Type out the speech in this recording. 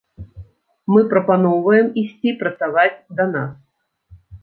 Мы прапаноўваем ісці працаваць да нас.